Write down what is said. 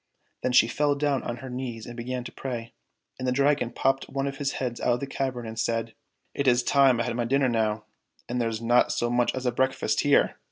Then she fell down on her knees and began to pray, and the Dragon popped one of his heads out of the cavern and said, "It is time I had my dinner now, and there's not so much as a breakfast here